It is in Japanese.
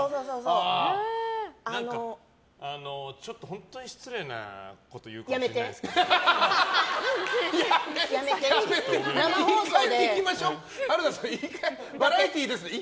ちょっと本当に失礼なこと言うかもしれないですけど。